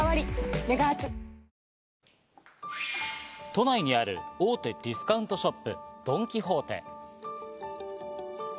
都内にある大手ディスカウントショップ、ドン・キホーテ。